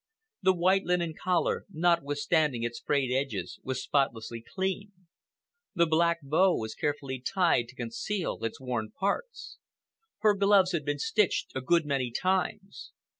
The white linen collar, notwithstanding its frayed edges, was spotlessly clean. The black bow was carefully tied to conceal its worn parts. Her gloves had been stitched a good many times.